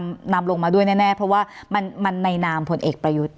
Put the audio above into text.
นำลงมาด้วยแน่เพราะว่ามันในนามผลเอกประยุทธ์